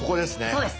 そうです。